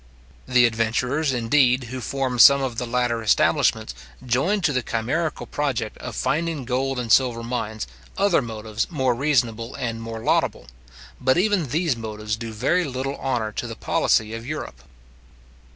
The adventurers, indeed, who formed some of the latter establishments, joined to the chimerical project of finding gold and silver mines, other motives more reasonable and more laudable; but even these motives do very little honour to the policy of Europe.